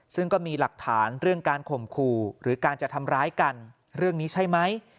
ซึ่งก็มีหลักฐานเรื่องการข่มขู่หรือการจะทำร้ายกันเรื่องนี้ใช่ไหม